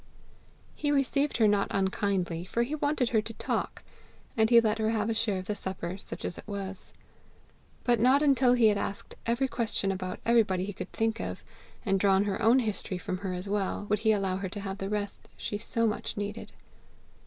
"He received her not unkindly, for he wanted her to talk; and he let her have a share of the supper, such as it was. But not until he had asked every question about everybody he could think of, and drawn her own history from her as well, would he allow her to have the rest she so much needed.